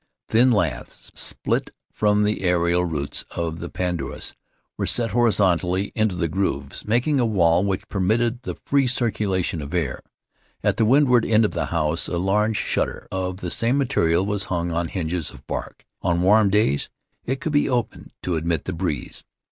Thin laths, split from the aerial roots of the pandanus, were set horizontally into the grooves, making a wall which permitted the free circu lation of air. At the windward end of the house, a large shutter of the same material was hung on hinges of bark; on warm days it could be opened to admit the breeze.